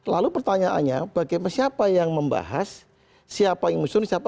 lalu pertanyaannya bagaimana siapa yang membahas siapa yang disusun siapa yang nampak